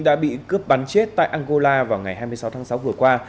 đã bị cướp bắn chết tại angola vào ngày hai mươi sáu tháng sáu vừa qua